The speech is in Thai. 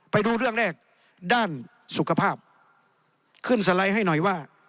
ไปดูเรื่องแรกด้านสุขภาพขึ้นสไลด์ให้หน่อยว่า